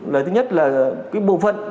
là thứ nhất là bộ phận